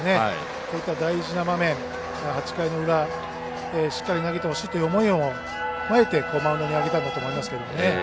こういった大事な場面、８回の裏しっかり投げてほしいという思いもあってマウンドに上げたんだと思いますけどね。